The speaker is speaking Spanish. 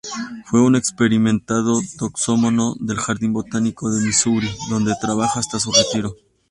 Fue un experimentado taxónomo del Jardín Botánico de Missouri, donde trabajó hasta su retiro.